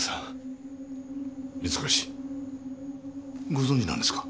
ご存じなんですか？